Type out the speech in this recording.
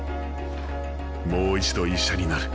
もう一度医者になる。